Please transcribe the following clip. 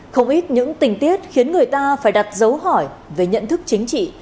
không ít những tình tiết khiến người ta phải đặt dấu hỏi về nhận thức chính trị